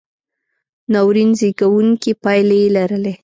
ناورین زېږوونکې پایلې یې لرلې.